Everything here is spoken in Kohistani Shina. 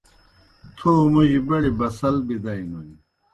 تھو موجیْ بڑیْ بَسَل بِدَئینوئے۔